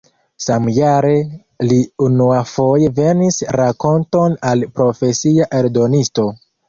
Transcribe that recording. Samjare li unuafoje venis rakonton al profesia eldonisto.